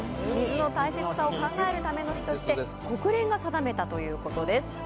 水の大切さを考えるための日として国連が定めたということです。